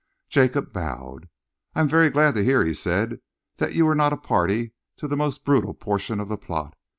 Jacob bowed. "I am very glad to hear," he said, "that you were not a party to the most brutal portion of the plot.